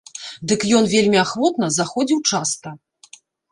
Дык ён вельмі ахвотна заходзіў часта.